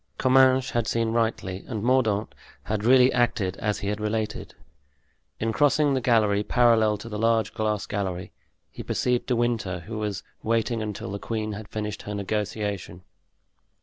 Comminges had seen rightly, and Mordaunt had really acted as he had related. In crossing the gallery parallel to the large glass gallery, he perceived De Winter, who was waiting until the queen had finished her negotiation.